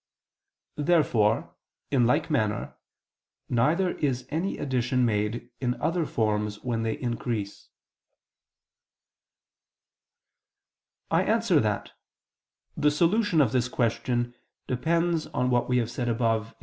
Therefore, in like manner, neither is any addition made in other forms when they increase. I answer that, The solution of this question depends on what we have said above (A.